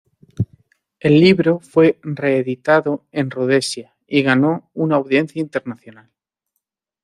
El libro fue reeditado en Rodesia y ganó una audiencia internacional.